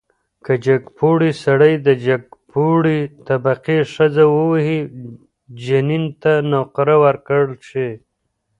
که جګپوړی سړی د جګپوړي طبقې ښځه ووهي، جنین ته نقره ورکړل شي.